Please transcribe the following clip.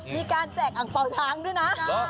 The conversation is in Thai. มีการแจกอังเปาช้างด้วยนะ